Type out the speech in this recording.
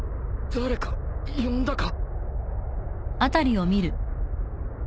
誰か呼んだか？